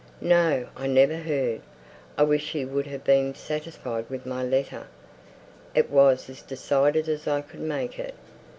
"No! I never heard. I wish he would have been satisfied with my letter. It was as decided as I could make it.